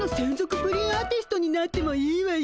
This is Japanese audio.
プリンアーティストになってもいいわよ。